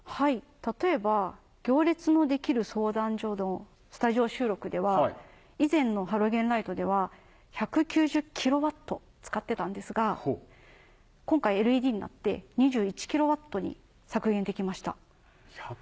例えば『行列のできる相談所』のスタジオ収録では以前のハロゲンライトでは１９０ｋｗ使ってたんですが今回ＬＥＤになって２１ｋｗに削減できました。